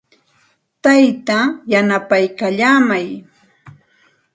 Taytaa yanapaykallaamay.